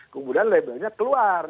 kemudian label nya keluar